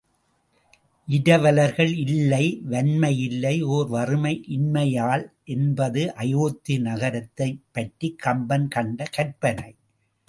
இரவலர்கள் இல்லை வண்மை இல்லை ஓர் வறுமை இன்மையால் என்பது அயோத்தி நகரத்தைப் பற்றிக் கம்பன் கண்ட கற்பனை.